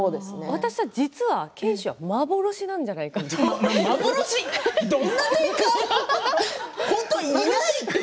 私は実は賢秀は幻なんじゃないかと思って。